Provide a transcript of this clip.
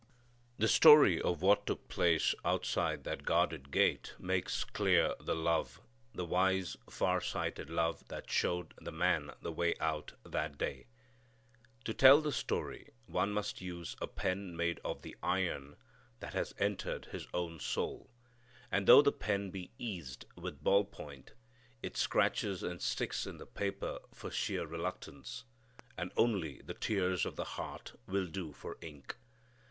The story of what took place outside that guarded gate makes clear the love, the wise farsighted love that showed the man the way out that day. To tell the story one must use a pen made of the iron that has entered his own soul, and though the pen be eased with ball point, it scratches and sticks in the paper for sheer reluctance. And only the tears of the heart will do for ink.